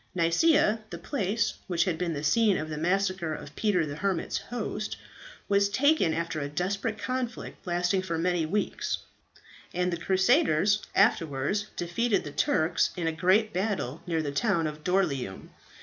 "Nicaea, the place which had been the scene of the massacre of Peter the Hermit's hosts, was taken after a desperate conflict, lasting for many weeks, and the crusaders afterwards defeated the Turks in a great battle near the town of Doryleum.